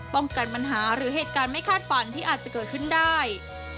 ปัญหาหรือเหตุการณ์ไม่คาดฝันที่อาจจะเกิดขึ้นได้